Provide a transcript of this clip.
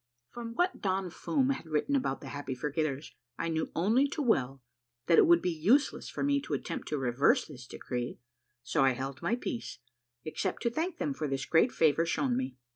From what Don Fum had written about the Happy Forget ters, I knew only too well that it would be useless for me to attempt to reverse this decree ; so I held my peace, except to thank them for this great favor shown me.